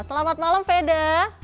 selamat malam veda